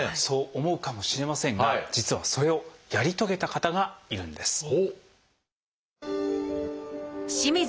そう思うかもしれませんが実はそれをやり遂げた方がいるんです。